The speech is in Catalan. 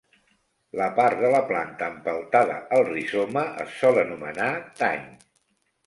La part de la planta empeltada al rizoma es sol anomenar tany.